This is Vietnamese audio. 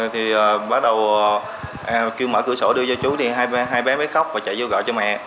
thì bắt đầu em kêu mở cửa sổ đưa cho chú thì hai bé mới khóc và chạy vô gọi cho mẹ